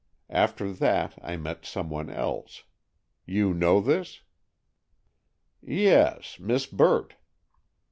After that I met some one else. You know this?" "Yes; Miss Burt."